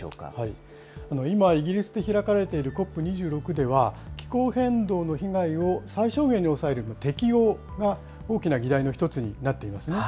今、イギリスで開かれているＣＯＰ２６では、気候変動の被害を最小限に抑える適応が大きな議題の一つになっていますね。